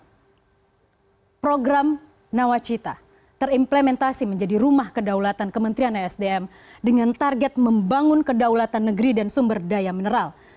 tapi saya ingatkan juga satu hal program nawacita terimplementasi menjadi rumah kedaulatan kementerian asdm dengan target membangun kedaulatan negeri dan sumber daya mineral